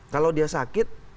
kalau dia sakit